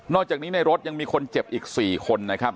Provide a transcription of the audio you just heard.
อกจากนี้ในรถยังมีคนเจ็บอีก๔คนนะครับ